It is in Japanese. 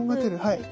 はい。